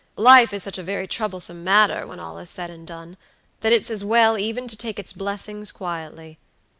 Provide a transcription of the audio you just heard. Life is such a very troublesome matter, when all is said and done, that it's as well even to take its blessings quietly.